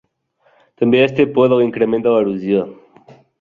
També es té por de l'increment de l'erosió.